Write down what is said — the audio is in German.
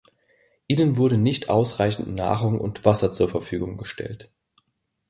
Ihnen wurde nicht ausreichend Nahrung und Wasser zur Verfügung gestellt.